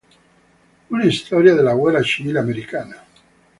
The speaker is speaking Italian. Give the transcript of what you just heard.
Una storia della guerra civile americana.